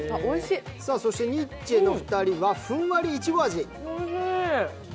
ニッチェの２人はふんわりいちご味。